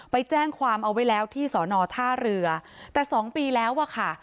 ไปแจ้งความเอาไว้แล้วที่สอนอท่าเรือแต่สองปีแล้วอะค่ะ